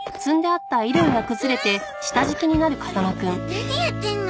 何やってんの。